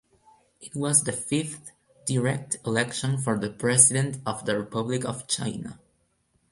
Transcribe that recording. It was the fifth direct election for the President of the Republic of China.